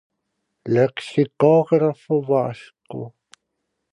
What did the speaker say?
Lexicógrafo vasco.